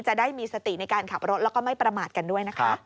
จะได้มีสติในการขับรถแล้วก็ไม่ประมาทกันด้วยนะคะ